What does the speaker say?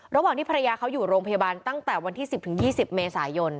ระหว่างที่ภรรยาเขาอยู่โรงพยาบาลตั้งแต่วันที่๑๐๒๐เมษายน